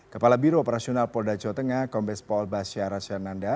kepala biro operasional polda jawa tengah kombes pol basya rasyananda